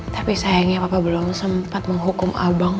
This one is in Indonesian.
tapi sayangnya papa belum sempat menghukum abang